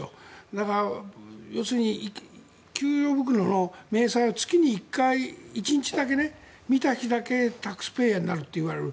だから、給与袋の明細を月に１回１日だけ見た日だけタックスペイになるといわれる。